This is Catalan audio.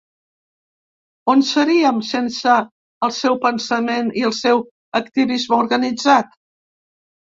On seríem sense el seu pensament i el seu activisme organitzat?